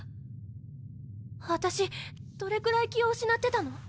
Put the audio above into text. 私どれくらい気を失ってたの？